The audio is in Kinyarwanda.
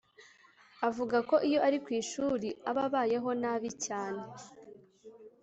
Avuga ko iyo ari kwishuri aba abayeho nabi cyane